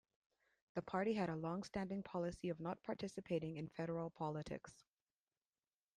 That party had a long-standing policy of not participating in federal politics.